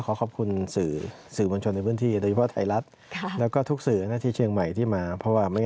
ครับผมอย่างนี้ทีละคร่อนจะไป